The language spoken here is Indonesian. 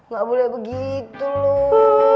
gak boleh begitu lo